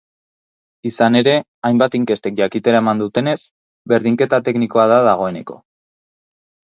Izan ere, hainbat inkestek jakietara eman duenez, berdinketa teknikoa da dagoeneko.